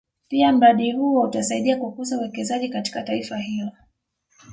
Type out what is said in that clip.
Pia mradi huo utasaidia kukuza uwekezaji katika taifa hilo